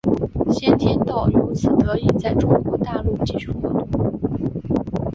先天道由此得以在中国大陆继续活动。